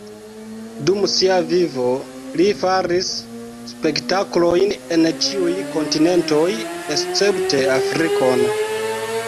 Dum sia vivo li faris spektaklojn en ĉiuj kontinentoj escepte Afrikon.